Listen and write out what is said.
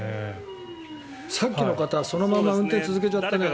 さっきの方はそのまま運転を続けちゃったけど。